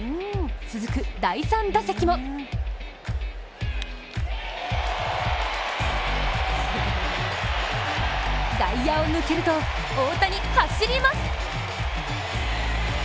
続く第３打席も外野を抜けると、大谷、走ります。